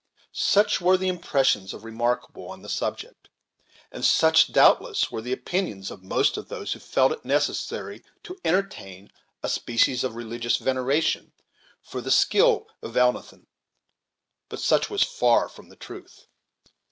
Such were the impressions of Remarkable on the subject; and such doubtless were the opinions of most of those who felt it necessary to entertain a species of religious veneration for the skill of Elnathan; but such was far from the truth.